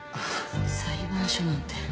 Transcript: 裁判所なんて。